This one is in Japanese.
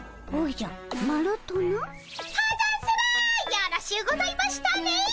よろしゅうございましたね！